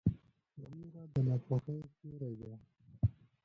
ویره د ناپوهۍ سیوری دی.